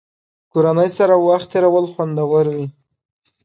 کورنۍ سره وخت تېرول خوندور وي.